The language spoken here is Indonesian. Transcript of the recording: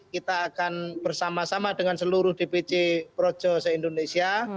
kita akan bersama sama dengan seluruh dpc projose indonesia